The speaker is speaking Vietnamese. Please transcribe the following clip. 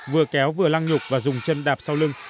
vừa kéo vừa lăng nhục và dùng chân đạp sau lưng